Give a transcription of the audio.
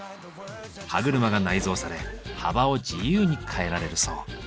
歯車が内蔵され幅を自由に変えられるそう。